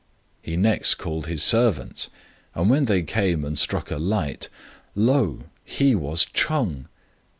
He next called his servants, and when they came and struck a light, lo ! he was Ch'eng.